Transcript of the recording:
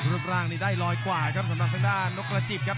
รูปร่างนี้ได้ลอยกว่าครับสำหรับทางด้านนกระจิบครับ